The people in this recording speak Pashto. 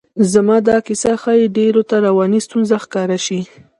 زما دا کیسه ښایي ډېرو ته رواني ستونزه ښکاره شي.